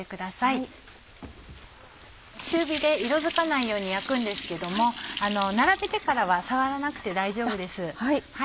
中火で色づかないように焼くんですけども並べてからは触らなくて大丈夫です。